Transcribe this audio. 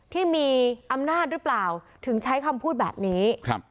ที่มีอำนาจหรือเปล่าถึงใช้คำพูดแบบนี้ครับ